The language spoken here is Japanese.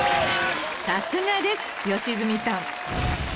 さすがです良純さん